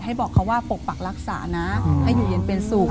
บอกเขาว่าปกปักรักษานะให้อยู่เย็นเป็นสุข